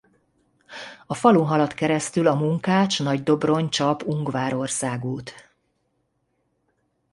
A falun halad keresztül a Munkács–Nagydobrony–Csap–Ungvár országút.